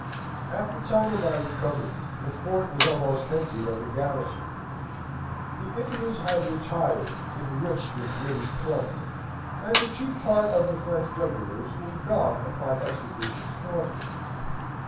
"At the time of my recovery the fort was almost emptied of the garrison. The Indians had retired enriched with British plunder, and the chief part of the French regulars were gone upon expeditions northward.